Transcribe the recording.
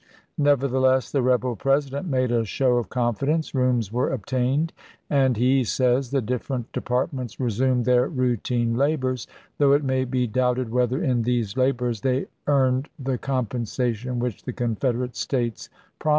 Nevertheless, the rebel Presi dent made a show of confidence; rooms were obtained, and, he says, the " different departments resumed their routine labors," though it may be doubted whether in these labors they earned the compensation which the Confederate States prom ised them.